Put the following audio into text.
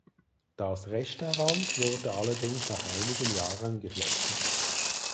Das Restaurant wurde allerdings nach einigen Jahren geschlossen.